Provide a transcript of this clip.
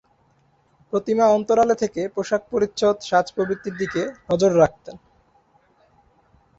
প্রতিমা অন্তরালে থেকে পোশাক পরিচ্ছদ সাজ প্রভৃতির দিকে নজর রাখতেন।